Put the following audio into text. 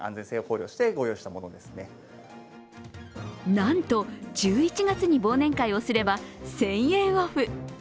なんと１１月に忘年会をすれば１０００円オフ。